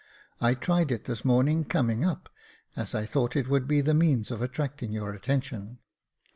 I tried it this morning coming up, as I thought it would be the means of attracting your attention.